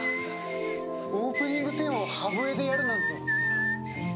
オープニングテーマを歯笛でやるなんて。